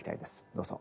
どうぞ。